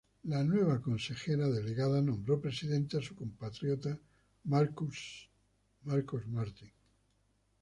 La nueva consejera delegada nombró presidente a su compatriota Marcos Martins.